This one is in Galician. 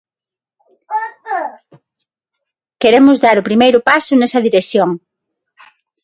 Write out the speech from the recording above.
Queremos dar o primeiro paso nesa dirección.